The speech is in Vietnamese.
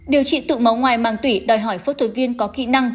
điều trị tụ máu ngoài màng tủy đòi hỏi phốt thuật viên có kỹ năng